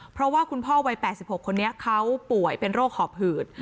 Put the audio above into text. เพราะว่าคุณพ่อวัย๘๖คนนี้เขาป่วยเป็นโรคหอบหืด